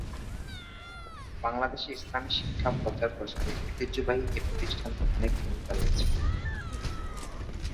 বাংলাদেশে ইসলামী শিক্ষা প্রচার-প্রসারে ঐতিহ্যবাহী এ প্রতিষ্ঠানটির অনেক ভূমিকা রয়েছে।